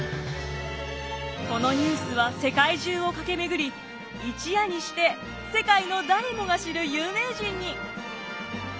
このニュースは世界中を駆け巡り一夜にして世界の誰もが知る有名人に。